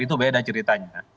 itu beda ceritanya